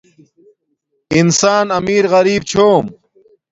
انسان امیر غریپ چھوم